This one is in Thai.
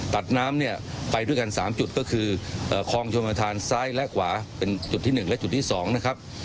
ตัดน้ำเนี่ยไปด้วยกัน๓จุดก็คือคลองชนประธานซ้ายและขวาเป็นจุดที่๑และจุดที่๒นะครับ